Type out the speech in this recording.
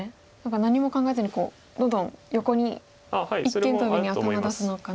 何も考えずにどんどん横に一間トビに頭出すのかなと思ったんですけど。